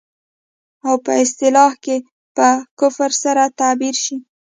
او په اصطلاح په کفر سره تعبير شي.